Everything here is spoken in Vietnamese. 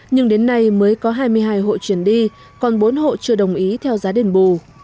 nhưng đến nay mới có hai mươi hai hộ chuyển đi còn bốn hộ chưa đồng ý theo giá đền bù